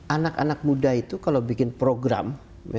anak anak muda itu kalau bikin program